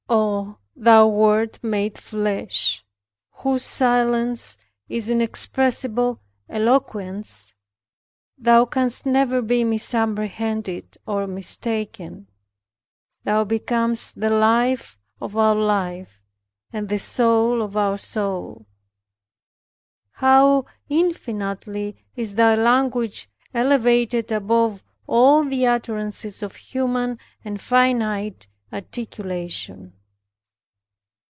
Oh, thou Word made flesh, whose silence is inexpressible eloquence, Thou canst never be misapprehended or mistaken. Thou becomest the life of our life, and the soul of our soul. How infinitely is thy language elevated above all the utterances of human and finite articulation.